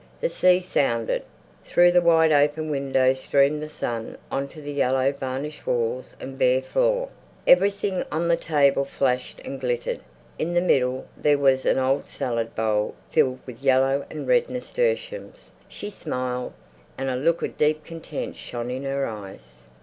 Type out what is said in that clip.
The sea sounded. Through the wide open window streamed the sun on to the yellow varnished walls and bare floor. Everything on the table flashed and glittered. In the middle there was an old salad bowl filled with yellow and red nasturtiums. She smiled, and a look of deep content shone in her eyes.